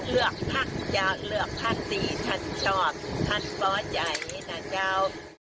เลือกพักจะเลือกพัฒน์ดีท่านชอบท่านเข้าใจนะครับ